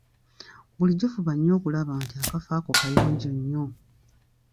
Bulijjo fuba nnyo okulaba nti akafo ako kayonjo nnyo.